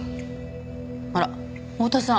あら太田さん